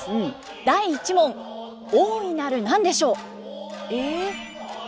第１問大いなる何でしょう？え？